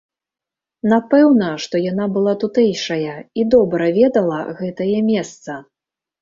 Напэўна, што яна была тутэйшая і добра ведала гэтае месца.